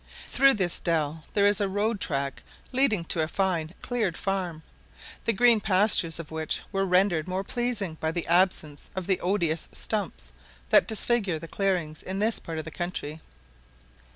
Through this dell there is a road track leading to a fine cleared farm, the green pastures of which were rendered more pleasing by the absence of the odious stumps that disfigure the clearings in this part of the country.